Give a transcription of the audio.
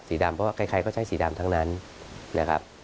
ดำเพราะว่าใครก็ใช้สีดำทั้งนั้นนะครับ